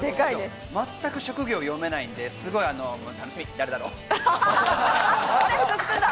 まったく職業読めないんで、すごい楽しみ、誰だろう。